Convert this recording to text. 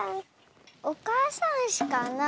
おかあさんうしかな